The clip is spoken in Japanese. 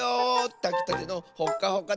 たきたてのほっかほかだよ！